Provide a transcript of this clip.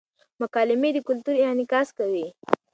مکالمې د کلتور انعکاس کوي.